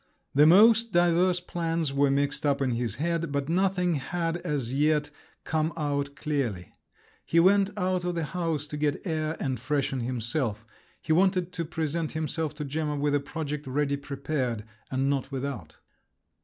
The most diverse plans were mixed up in his head, but nothing had as yet come out clearly. He went out of the house to get air and freshen himself. He wanted to present himself to Gemma with a project ready prepared and not without.